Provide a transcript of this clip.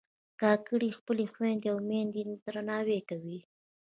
کاکړي خپلې خویندې او میندې درناوي کوي.